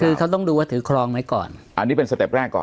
คือเขาต้องดูว่าถือครองไหมก่อนอันนี้เป็นสเต็ปแรกก่อน